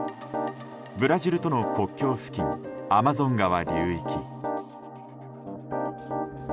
ブラジルとの国境付近アマゾン川流域。